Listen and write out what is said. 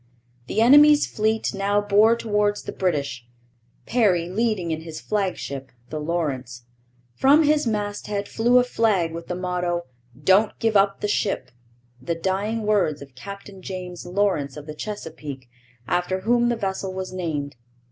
The enemy's fleet now bore towards the British, Perry leading in his flagship the Lawrence. From his mast head flew a flag with the motto, 'Don't give up the ship' the dying words of Captain James Lawrence of the Chesapeake, after whom the vessel was named.